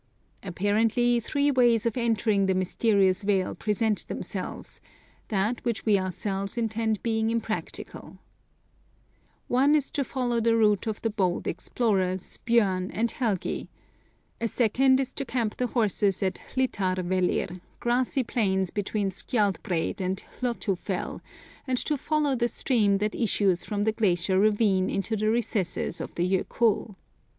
Apparently, three ways of entering the mysterious vale present themselves, that which we ourselves intended being impracticable. One is to follow the route of the bold explorers, Bjorn and Helgi ; a second is to camp the horses at Hlitharvellir, grassy plains between Skjaldbreid and Hlothufell, and to follow the stream that issues from the glacier ravine into the recesses of the Jokull.